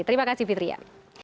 terima kasih fitriya